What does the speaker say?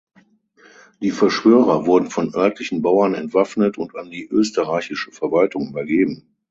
Die Verschwörer wurden von örtlichen Bauern entwaffnet und an die österreichische Verwaltung übergeben.